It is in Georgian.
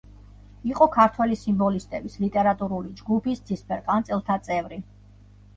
იყო ქართველი სიმბოლისტების ლიტერატურული ჯგუფის „ცისფერყანწელთა“ წევრი.